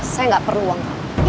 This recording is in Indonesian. saya gak perlu uang